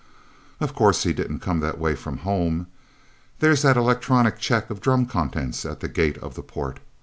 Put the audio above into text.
Of course he didn't come that way from home. There's that electronic check of drum contents at the gate of the port.